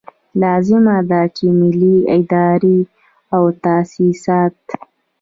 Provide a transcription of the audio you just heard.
لازمه ده چې ملي ادارې او تاسیسات.